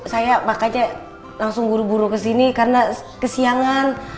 saya makanya langsung buru buru kesini karena kesiangan